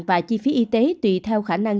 và chi phí y tế tùy theo khả năng